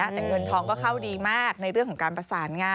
แต่เงินทองก็เข้าดีมากในเรื่องของการประสานงาน